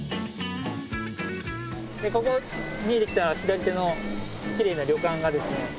ここ見えてきた左手のきれいな旅館がですね